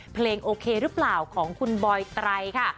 เพลงโอเคหรือเปล่าของคุณบอยไตรค่ะ